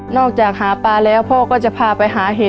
จากหาปลาแล้วพ่อก็จะพาไปหาเห็ด